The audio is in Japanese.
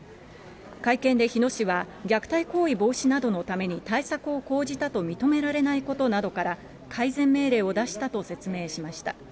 会見で日野市は、虐待行為防止などのために対策を講じたと認められないことなどから、改善命令を出したと説明しました。